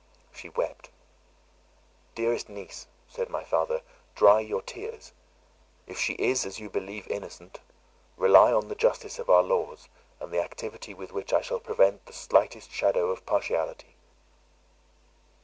She wept. "Dearest niece," said my father, "dry your tears. If she is, as you believe, innocent, rely on the justice of our laws, and the activity with which I shall prevent the slightest shadow of partiality."